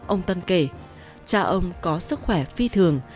ông tân kể cha ông có sức khỏe phi thường